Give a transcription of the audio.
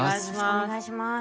お願いします。